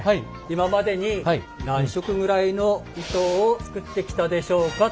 今までに何色ぐらいの糸を作ってきたでしょうか。